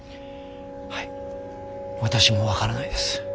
はい私も分からないです。